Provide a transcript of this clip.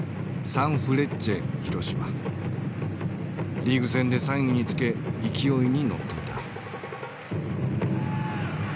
リーグ戦で３位につけ勢いに乗っていた。